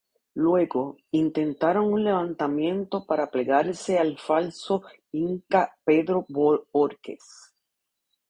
Luego, intentaron un levantamiento para plegarse al falso inca Pedro Bohórquez.